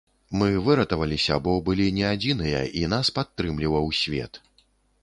Мы выратаваліся, бо былі не адзіныя і нас падтрымліваў свет.